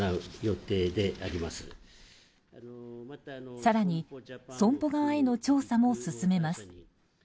更に損保側への調査も進めます。